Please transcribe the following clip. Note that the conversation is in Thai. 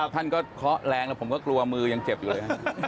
ท่านก็เคาะแรงแล้วผมก็กลัวมือยังเจ็บอยู่เลย